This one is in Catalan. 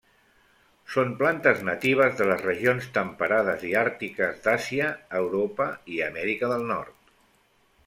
Són plantes natives de les regions temperades i àrtiques d'Àsia, Europa i Amèrica del Nord.